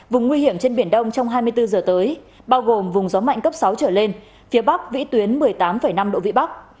vùng nguy hiểm trên biển đông trong hai mươi bốn giờ tới bao gồm vùng gió mạnh cấp sáu trở lên phía bắc vĩ tuyến một mươi tám năm độ vị bắc